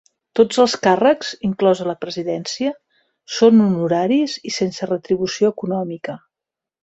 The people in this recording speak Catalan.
Tots els càrrecs, inclosa la presidència, són honoraris i sense retribució econòmica.